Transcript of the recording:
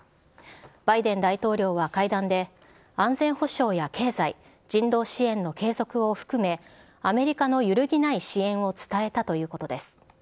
バイデン大統領は会談で、安全保障や経済、人道支援の継続を含め、アメリカの揺るぎない支援を伝えたということです。